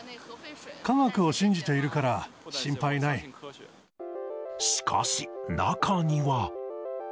科学を信じているから、しかし、中には。